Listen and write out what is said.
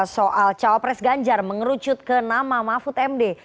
soal cawapres ganjar mengerucut ke nama mahfud md